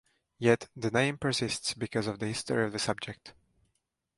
Yet, the name persists because of the history of the subject.